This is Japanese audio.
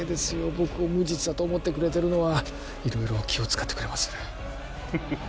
僕を無実だと思ってくれてるのは色々気を使ってくれますフフフッ